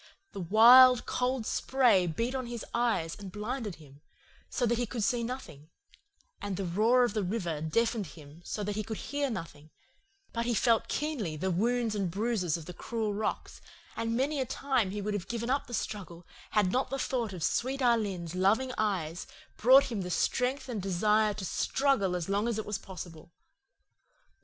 The wild, cold spray beat on his eyes and blinded him, so that he could see nothing, and the roar of the river deafened him so that he could hear nothing; but he felt keenly the wounds and bruises of the cruel rocks, and many a time he would have given up the struggle had not the thought of sweet Alin's loving eyes brought him the strength and desire to struggle as long as it was possible.